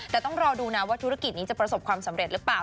แต่ต้องรอดูนะว่าธุรกิจนี้จะประสบความสำเร็จหรือเปล่า